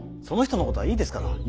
その人のことはいいですから。